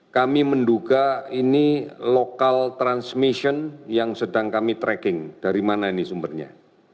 kami menduga ini local transmission yang sedang kami tracking dari mana ini sumbernya